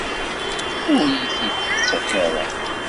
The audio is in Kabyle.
Ur iyi-t-id-tettak ara?